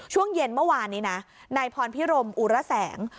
ช่วงเย็นเมื่อวานนี้นะนายพรพิรมอุระแสง